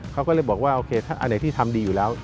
เขาก็เลยบอกว่าโอเคถ้าอันไหนที่ทำดีอยู่แล้ว